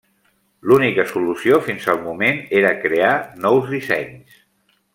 L'única solució fins al moment era crear nous dissenys.